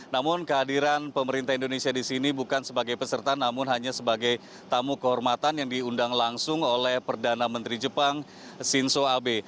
namun kehadiran pemerintah indonesia di sini bukan sebagai peserta namun hanya sebagai tamu kehormatan yang diundang langsung oleh perdana menteri jepang shinzo abe